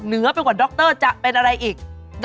เหนือเป็นกว่าด๊อกเตอร์จะเป็นอะไรอีก